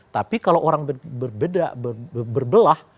tapi kalau orang berbeda berbelah